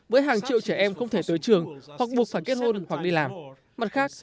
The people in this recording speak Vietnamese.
với hàng triệu trẻ em không thể tới trường hoặc buộc phải kết hôn hoặc đi làm mặt khác